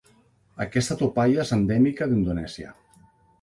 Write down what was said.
Aquesta tupaia és endèmica d'Indonèsia.